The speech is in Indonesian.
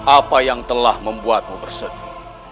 apa yang telah membuatmu bersedih